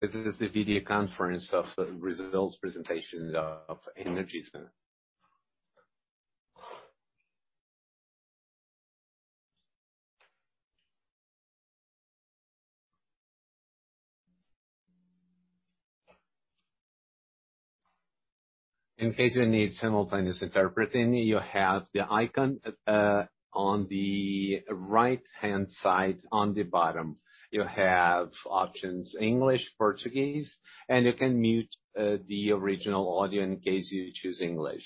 This is the video conference of results presentation of Energisa. In case you need simultaneous interpreting, you have the icon on the right-hand side on the bottom. You have options English, Portuguese, and you can mute the original audio in case you choose English.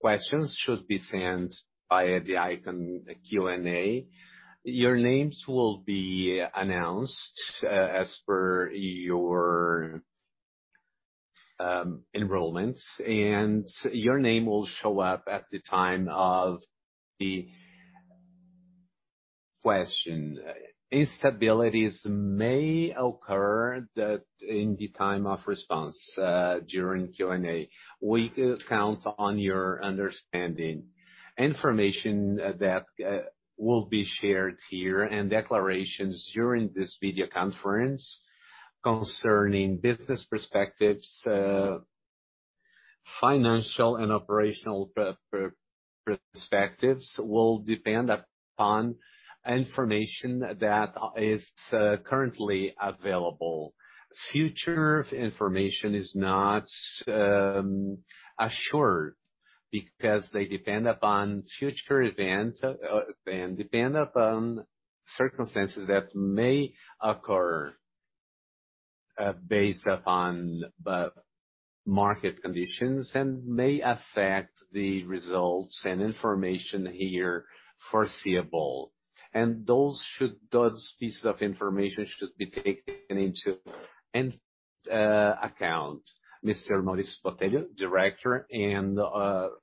Questions should be sent via the icon, Q&A. Your names will be announced as per your enrollments, and your name will show up at the time of the question. Instabilities may occur that in the time of response during Q&A. We count on your understanding. Information that will be shared here and declarations during this video conference concerning business perspectives, financial and operational perspectives will depend upon information that is currently available. Future of information is not assured because they depend upon future events and depend upon circumstances that may occur based upon the market conditions and may affect the results and information here foreseeable. Those pieces of information should be taken into an account. Mr. Maurício Botelho, Director and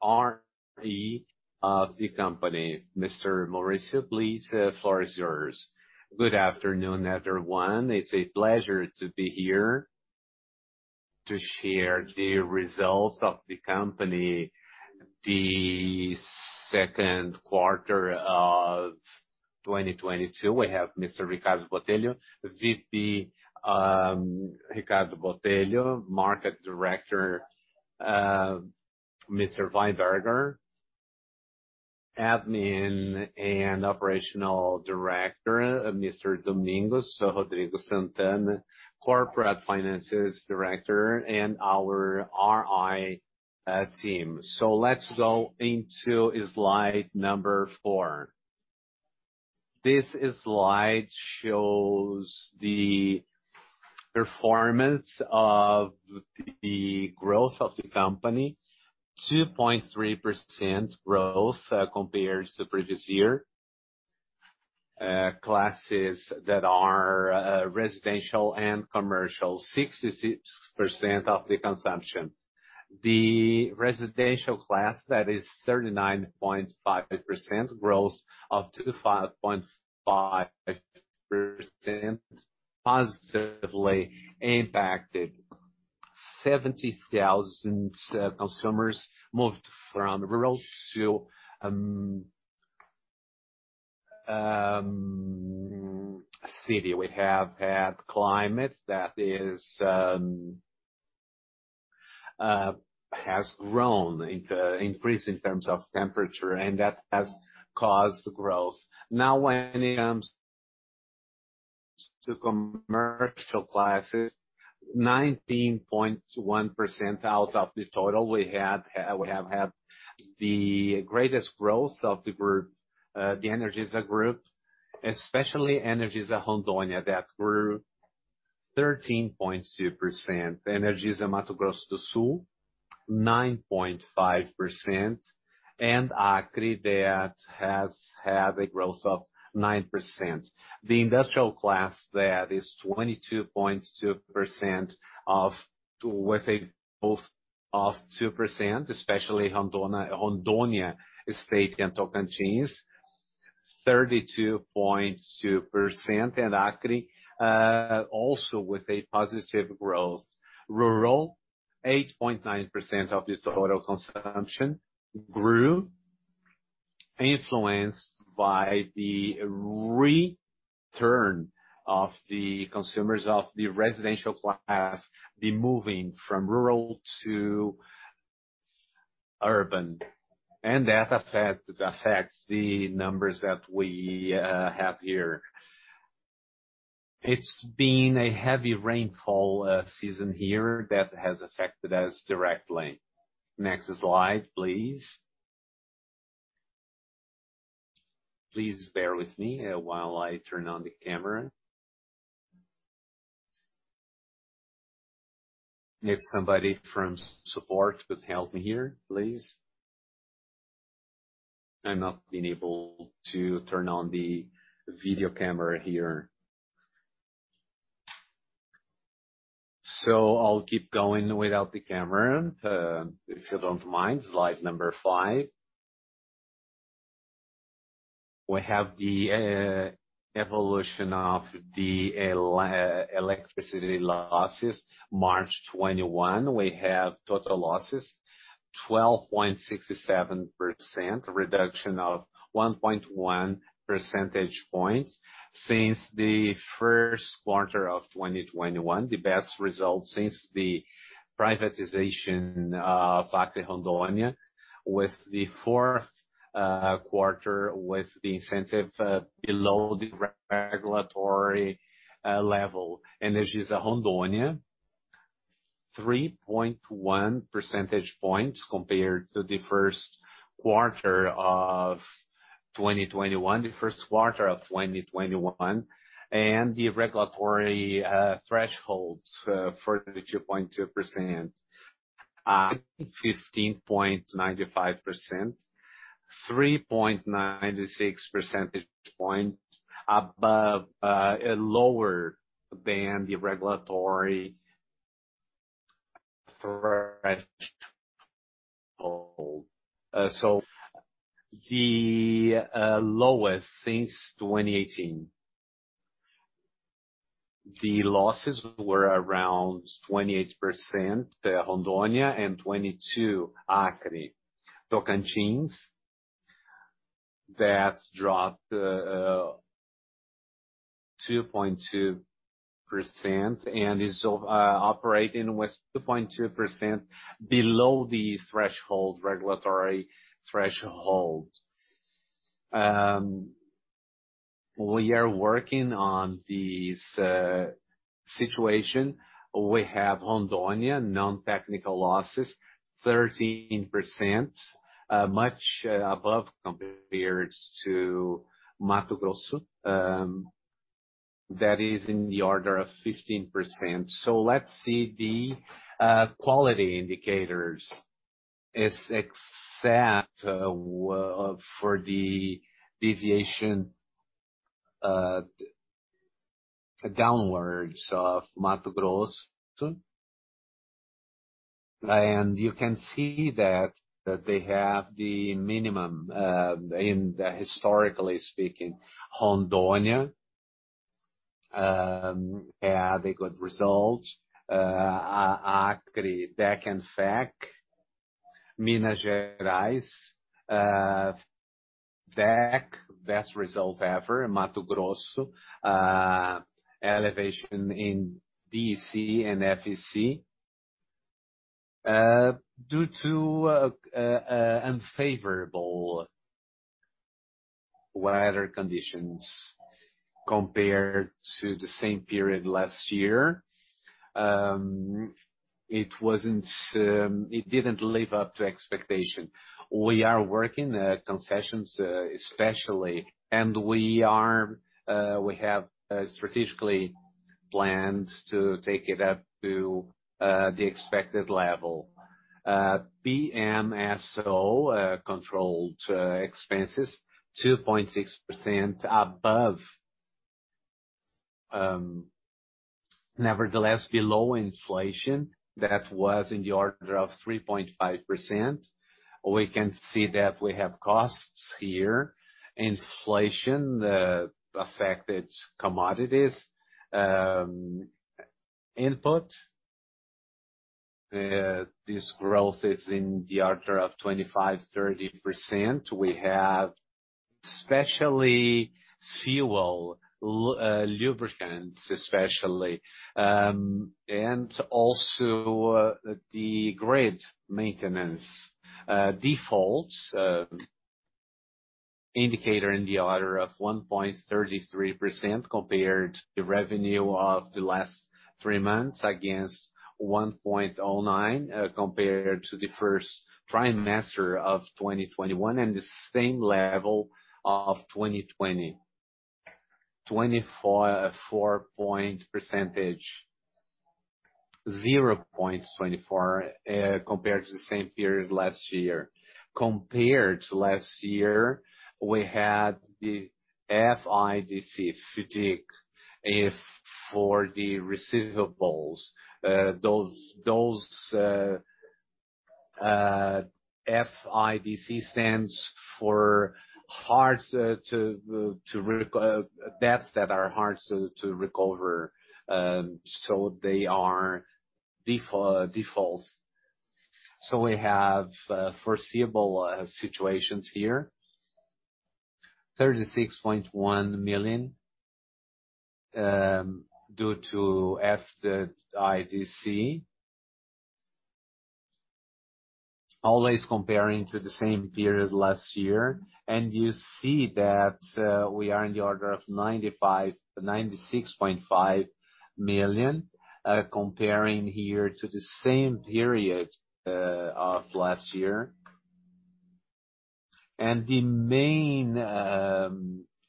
RI of the Company. Mr. Maurício, please, the floor is yours. Good afternoon, everyone. It's a pleasure to be here to share the results of the Company. The second quarter of 2022, we have Mr. Ricardo Botelho, VP, Ricardo Botelho, Market Director, Mr. [Weinberger], Admin and Operational Director, Mr. Rodrigo Santana, Corporate Finances Director, and our RI team. Let's go into slide number four. This slide shows the performance of the growth of the company, 2.3% growth, compared to previous year. Classes that are residential and commercial, 66% of the consumption. The residential class, that is 39.5% growth of 25.5% positively impacted. 70,000 consumers moved from rural to city. We have had climate that has increased in terms of temperature, and that has caused growth. Now, when it comes to commercial classes, 19.1% out of the total we have had the greatest growth of the group, the Energisa Group, especially Energisa Rondônia, that grew 13.2%. Energisa Mato Grosso do Sul, 9.5%. Acre that has had a growth of 9%. The industrial class, that is 22.2% with a growth of 2%, especially Rondônia State and Tocantins, 32.2%, and Acre, also with a positive growth. Rural, 8.9% of the total consumption grew, influenced by the return of the consumers of the residential class, the moving from rural to urban. That affects the numbers that we have here. It's been a heavy rainfall season here that has affected us directly. Next slide, please. Please bear with me while I turn on the camera. If somebody from support could help me here, please. I'm not being able to turn on the video camera here. I'll keep going without the camera, if you don't mind. Slide number five. We have the evolution of the electricity losses. March 2021, we have total losses 12.67% reduction of 1.1 percentage points since the first quarter of 2021. The best result since the privatization of Acre and Rondônia, with the fourth quarter with the incentive below the regulatory level. Energisa Rondônia, 3.1 percentage points compared to the first quarter of 2021. The first quarter of 2021 and the regulatory thresholds for 32.2%. 15.95%, 3.96 percentage points lower than the regulatory threshold. The lowest since 2018. The losses were around 28%, in Rondônia and 22% in Acre. Tocantins, that dropped 2.2% and is operating with 2.2% below the threshold, regulatory threshold. We are working on this situation. We have Rondônia non-technical losses 13%, much above compared to Mato Grosso, that is in the order of 15%. Let's see the quality indicators. All except for the deviation downwards of Mato Grosso. You can see that they have the minimum historically speaking. Rondônia had a good result. Acre, DEC and FEC. Minas Gerais, DEC, best result ever in Mato Grosso. Elevation in DEC and FEC due to unfavorable weather conditions compared to the same period last year. It wasn't. It didn't live up to expectation. We are working concessions, especially. We have strategically planned to take it up to the expected level. PMSO controlled expenses 2.6% above, nevertheless below inflation that was in the order of 3.5%. We can see that we have costs here. Inflation affected commodities input. This growth is in the order of 25%-30%. We have especially fuel, lubricants especially, and also the grid maintenance, defaults indicator in the order of 1.33% compared to the revenue of the last three months against 1.09%, compared to the first trimester of 2021 and the same level of 2020. 24 percentage points. 0.24%, compared to the same period last year. Compared to last year, we had the FIDC is for the receivables. FIDC stands for debts that are hard to recover. They are defaults. We have foreseeable situations here. BRL 36.1 million due to FIDC. Always comparing to the same period last year. You see that we are in the order of 96.5 million, comparing here to the same period of last year. The main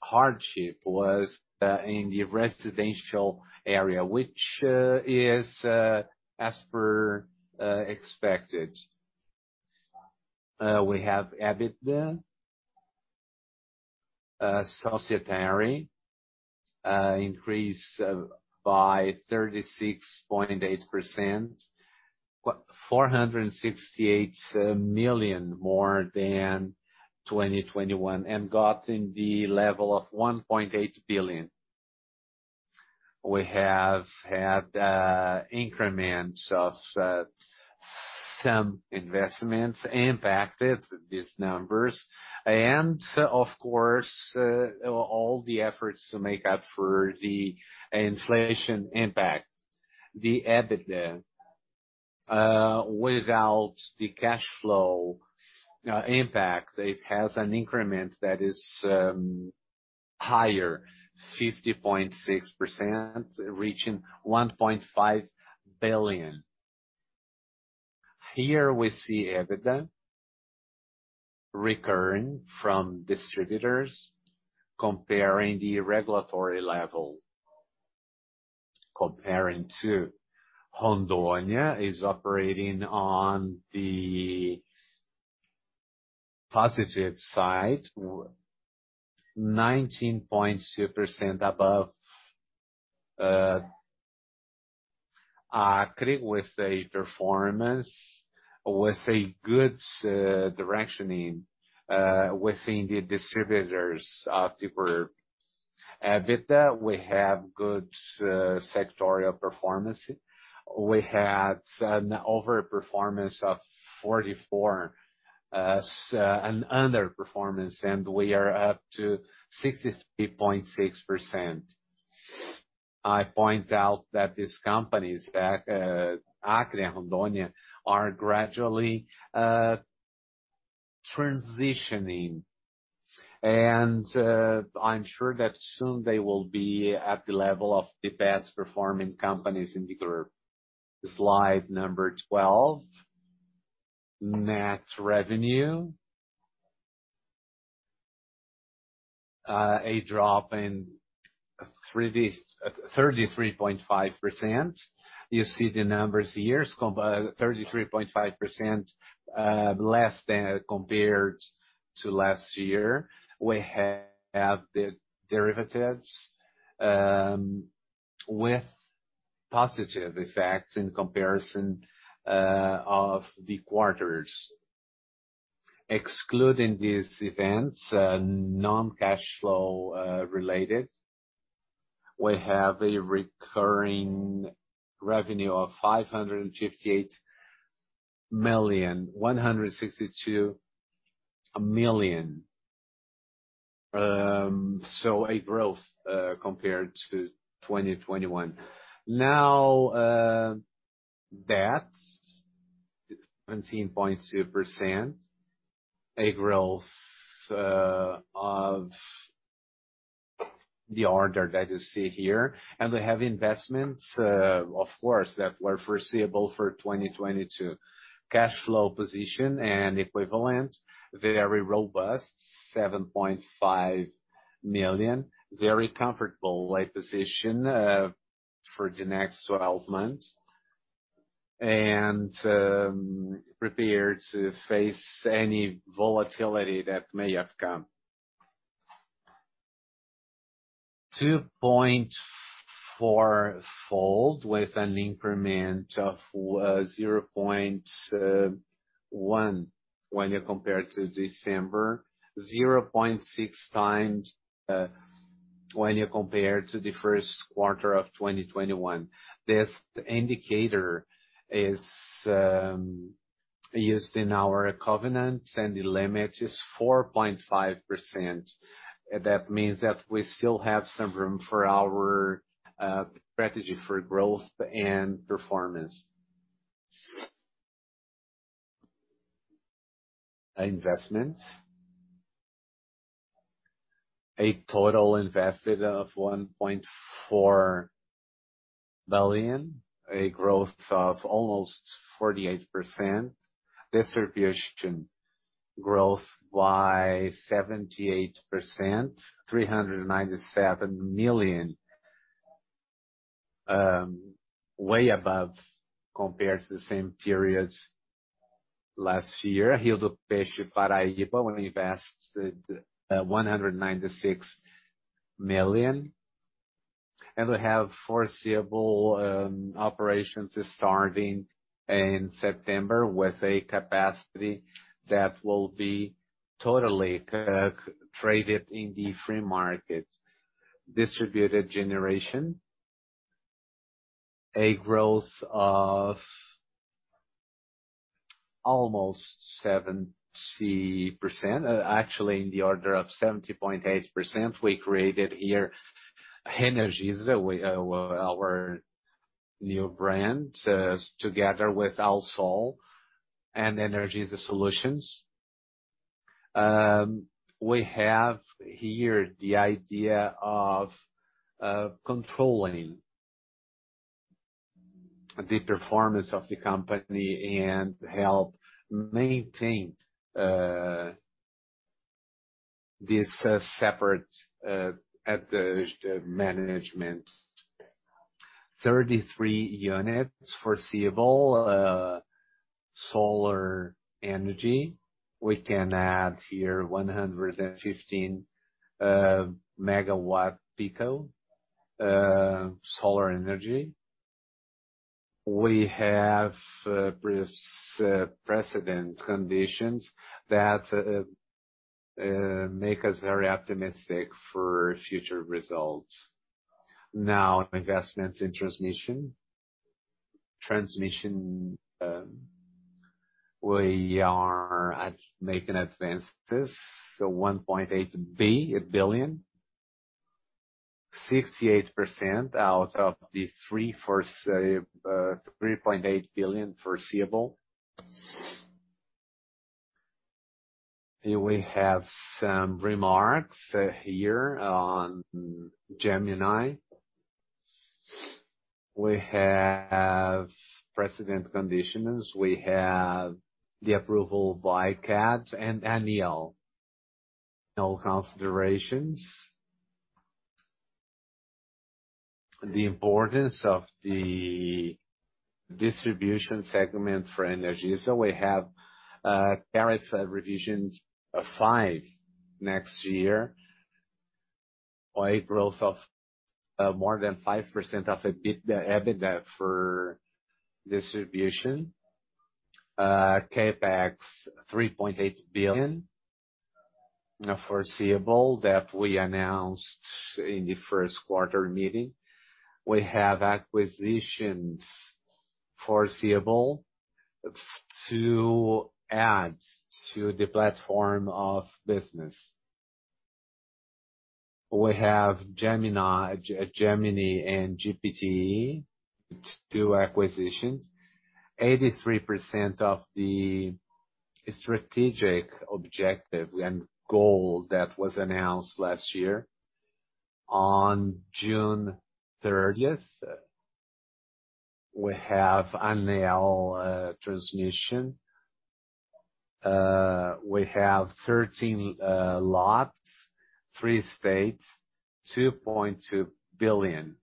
hardship was in the residential area, which is as expected. We have EBITDA societário increase by 36.8%. 468 million more than 2021, and got to the level of 1.8 billion. We have had increments of some investments impacted these numbers and of course all the efforts to make up for the inflation impact. The EBITDA without the cash flow impact, it has an increment that is higher 50.6%, reaching 1.5 billion. Here we see EBITDA recurring from distributors comparing the regulatory level. Comparing to Rondônia is operating on the positive side, 19.2% above, Acre with a performance, with a good direction within the distributors of the group. EBITDA, we have good sectorial performance. We had an overperformance of 44%, an underperformance, and we are up to 63.6%. I point out that these companies, Acre and Rondônia are gradually transitioning. I'm sure that soon they will be at the level of the best performing companies in the group. Slide 12, net revenue. A drop in 33.5%. You see the numbers, 33.5%, less compared to last year. We have the derivatives with positive effects in comparison of the quarters. Excluding these events, non-cash flow related, we have a recurring revenue of 558 million, 162 million. So a growth compared to 2021. Now, debt, 17.2%, a growth of the order that you see here. We have investments, of course, that were foreseeable for 2022. Cash flow position and equivalent, very robust, 7.5 million. Very comfortable position for the next 12 months. Prepared to face any volatility that may have come. 2.4-fold with an increment of 0.1 when you compare to December, 0.6x when you compare to the first quarter of 2021. This indicator is used in our covenants, and the limit is 4.5%. That means that we still have some room for our strategy for growth and performance. Investments. A total investment of 1.4 billion, a growth of almost 48%. Distribution growth by 78%, 397 million, way above compared to the same period last year. Rio do Peixe, Paraíba, we invested 196 million. We have foreseeable operations starting in September with a capacity that will be totally traded in the free market. Distributed generation, a growth of almost 70%. Actually in the order of 70.8%, we created here Energisa, our new brand together with Alsol and Energisa Soluções. We have here the idea of controlling the performance of the company and help maintain this separate at the management. 33 units foreseeable solar energy. We can add here 115 MWp solar energy. We have precedent conditions that make us very optimistic for future results. Now, investments in transmission. Transmission, we are making advances, so 1.8 billion. 68% out of 3.8 billion foreseeable. Here we have some remarks here on Gemini. We have precedent conditions. We have the approval by CADE and ANEEL. No considerations. The importance of the distribution segment for Energisa. We have tariff revisions of five next year, or a growth of more than 5% of the EBITDA for distribution. CapEx 3.8 billion foreseeable that we announced in the first quarter meeting. We have acquisitions foreseeable to add to the platform of business. We have Gemini and GPTE, two acquisitions. 83% of the strategic objective and goal that was announced last year. On June 30th, we have ANEEL transmission. We have 13 lots, three states, BRL 2.2 billion.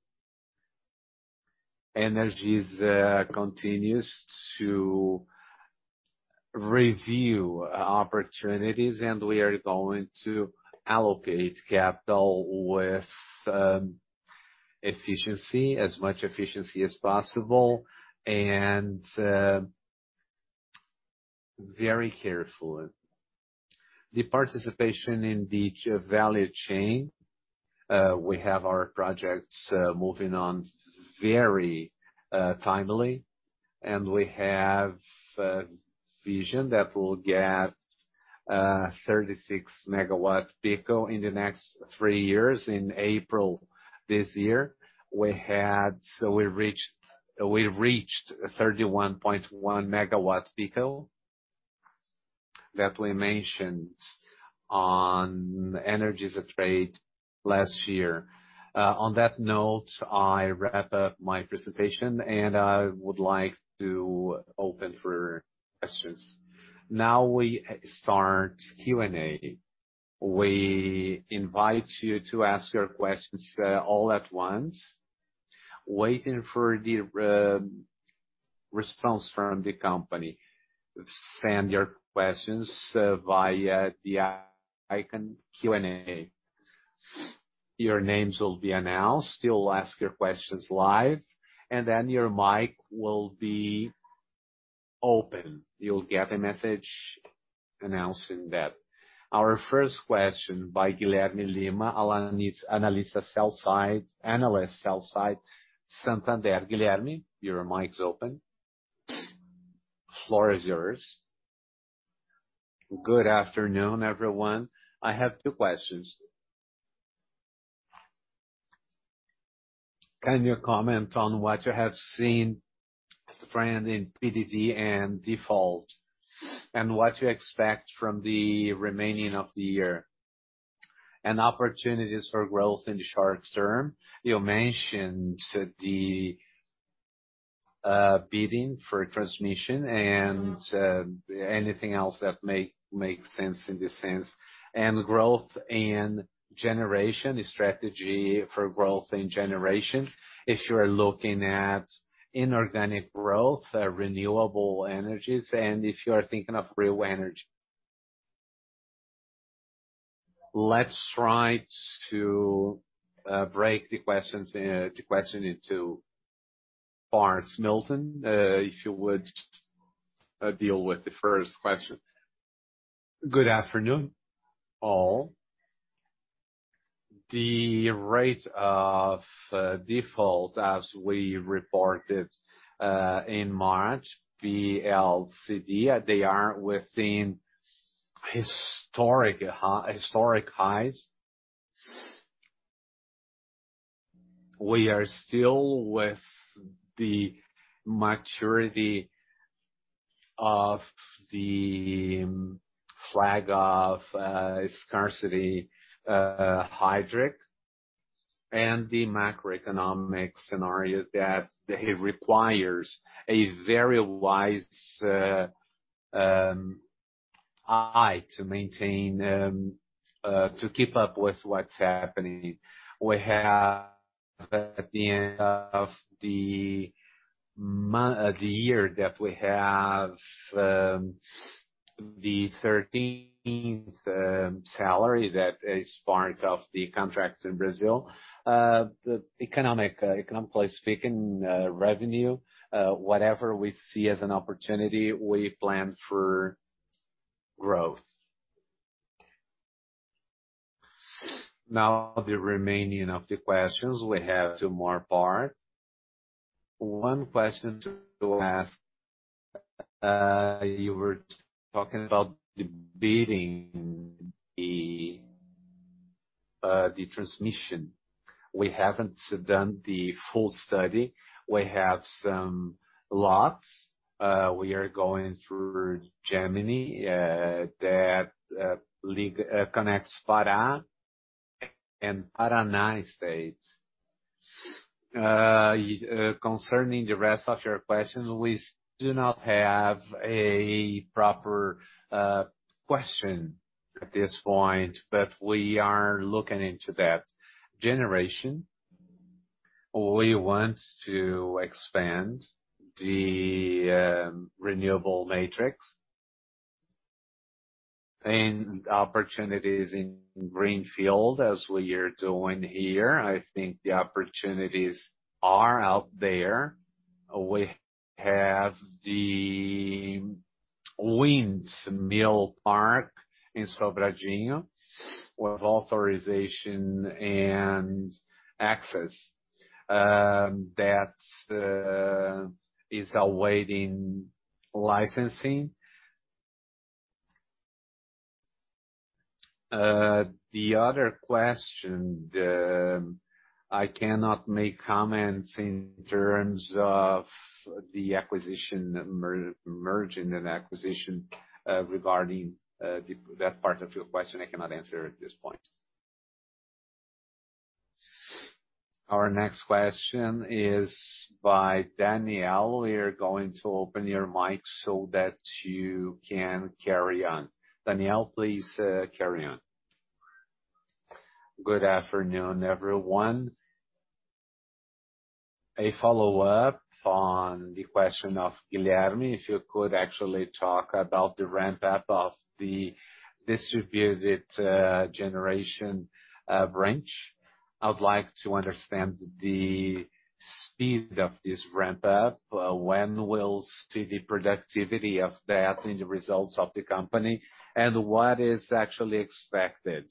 Energisa continues to review opportunities, and we are going to allocate capital with efficiency, as much efficiency as possible, and very carefully. The participation in the value chain, we have our projects moving on very timely, and we have vision that will get 36 MWp in the next three years. In April this year, we reached 31.1 MWp that we mentioned on Energisa Trade last year. On that note, I wrap up my presentation, and I would like to open for questions. Now we start Q&A. We invite you to ask your questions all at once, waiting for the response from the Company. Send your questions via the Q&A icon. Your names will be announced. You'll ask your questions live, and then your mic will be open. You'll get a message announcing that. Our first question by Guilherme Lima, sell-side analyst, Santander. Guilherme, your mic is open. Floor is yours. Good afternoon, everyone. I have two questions. Can you comment on what you have seen trend in PDD and default, and what you expect from the remainder of the year? Opportunities for growth in the short term. You mentioned the bidding for transmission and anything else that makes sense in this sense. Growth and generation, the strategy for growth and generation, if you are looking at inorganic growth, renewable energies, and if you are thinking of real energy. Let's try to break the questions, the question into parts. Milton, if you would deal with the first question. Good afternoon, all. The rate of default as we reported in March, the PDD, they are within historic highs. We are still with the maturity of the flag of scarcity hydric and the macroeconomic scenario that it requires a very wise eye to maintain to keep up with what's happening. We have at the end of the year that we have the 13th salary that is part of the contracts in Brazil. The economic economically speaking revenue whatever we see as an opportunity we plan for growth. Now the remaining of the questions we have two more part. One question to ask you were talking about the bidding the the transmission. We haven't done the full study. We have some lots we are going through Gemini that connects Pará and Paraná states. Concerning the rest of your question, we do not have a proper question at this point, but we are looking into that. Generation, we want to expand the renewable matrix. Opportunities in greenfield as we are doing here, I think the opportunities are out there. We have the windmill park in Sobradinho with authorization and access that is awaiting licensing. The other question, I cannot make comments in terms of the acquisition, mergers and acquisitions, regarding that part of your question, I cannot answer at this point. Our next question is by Daniele. We are going to open your mic so that you can carry on. Daniele, please, carry on. Good afternoon, everyone. A follow-up on the question of Guilherme. If you could actually talk about the ramp up of the distributed generation branch. I would like to understand the speed of this ramp up. When we will see the productivity of that in the results of the company, and what is actually expected?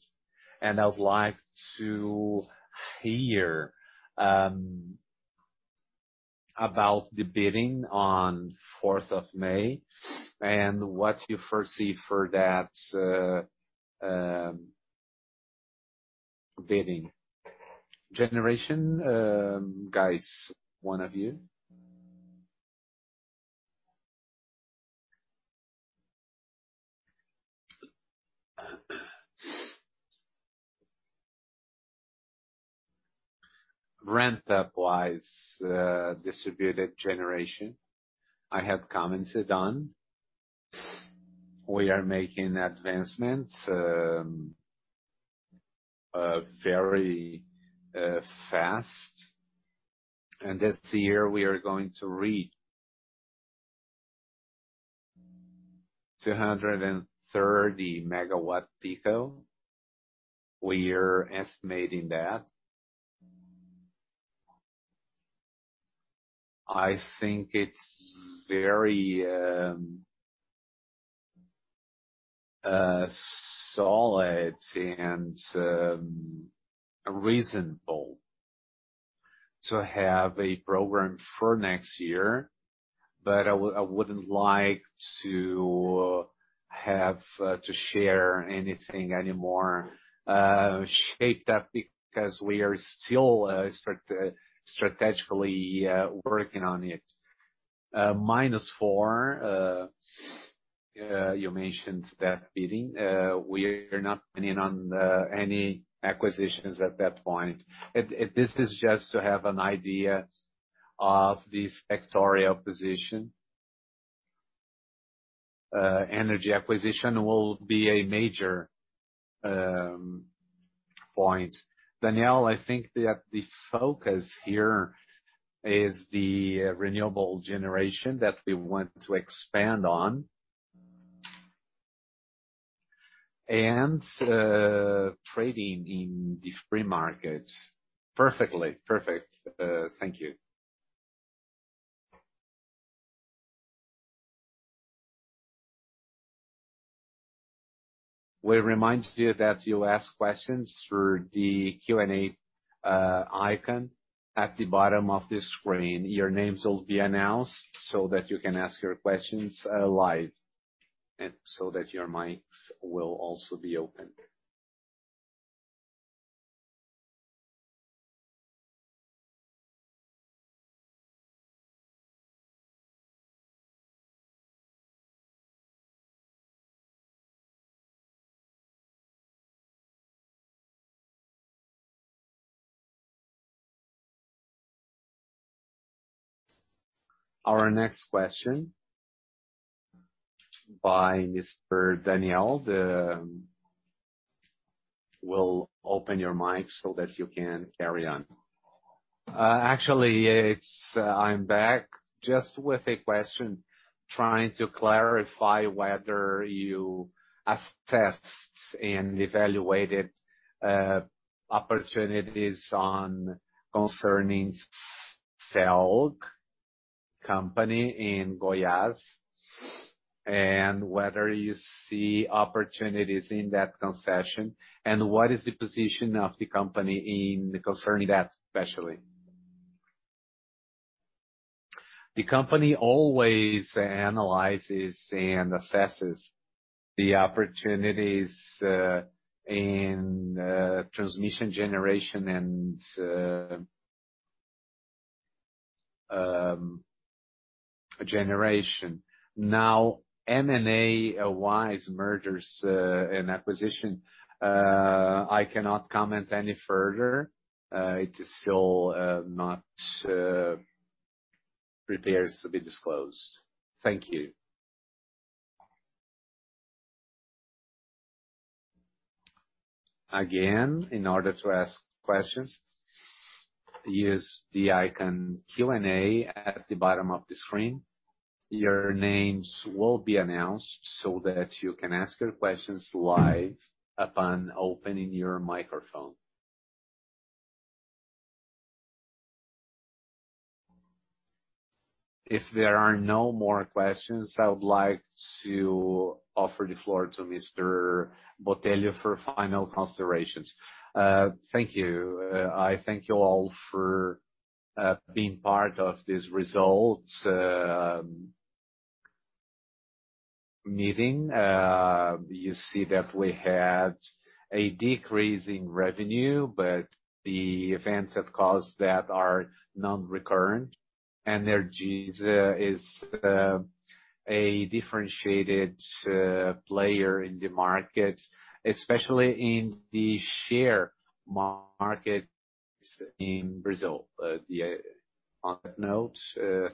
I would like to hear about the bidding on 4th of May, and what you foresee for that, bidding. Generation, guys, one of you. Ramp up wise, distributed generation, I have commented on. We are making advancements very fast. This year, we are going to reach 230 MWp. We are estimating that. I think it's very solid and reasonable to have a program for next year. I wouldn't like to have to share anything any more at this stage because we are still strategically working on it. -4, you mentioned that bidding, we are not planning on any acquisitions at that point. This is just to have an idea of the financial position. Energy acquisition will be a major point. Daniele, I think that the focus here is the renewable generation that we want to expand on. Trading in the free market. Perfectly perfect. Thank you. We remind you that you ask questions through the Q&A icon at the bottom of the screen. Your names will be announced so that you can ask your questions live, and so that your mics will also be open. Our next question by Mr. Daniele. We'll open your mic so that you can carry on. Actually, it's I'm back just with a question, trying to clarify whether you assessed and evaluated opportunities concerning CELG company in Goiás, and whether you see opportunities in that concession, and what is the position of the company concerning that, especially. The company always analyzes and assesses the opportunities in transmission and generation. Now, M&A-wise, mergers and acquisition, I cannot comment any further. It is still not prepared to be disclosed. Thank you. Again, in order to ask questions, use the icon Q&A at the bottom of the screen. Your names will be announced so that you can ask your questions live upon opening your microphone. If there are no more questions, I would like to offer the floor to Mr. Botelho for final considerations. Thank you. I thank you all for being part of this results meeting. You see that we had a decrease in revenue, but the events that caused that are non-recurrent. Energisa is a differentiated player in the market, especially in the share market in Brazil. Yeah, on that note,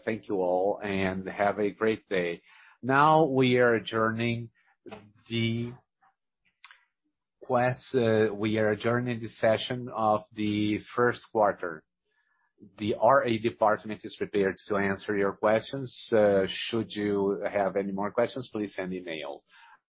thank you all, and have a great day. Now we are adjourning the session of the first quarter. The RI department is prepared to answer your questions. Should you have any more questions, please send email.